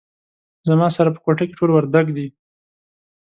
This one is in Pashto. زما سره په کوټه کې ټول وردګ دي